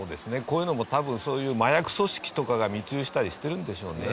こういうのも多分そういう麻薬組織とかが密輸したりしてるんでしょうね。